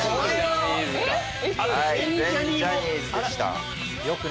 全ジャニーズでした。